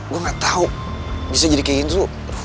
gue gak tau bisa jadi kayak gitu